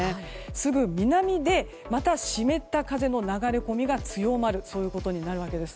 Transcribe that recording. すぐ南でまた湿った風の流れ込みが強まるそういうことになるわけです。